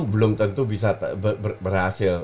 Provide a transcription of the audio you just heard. belum tentu bisa berhasil